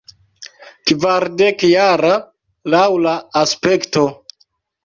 Kvardekjara, laŭ la aspekto.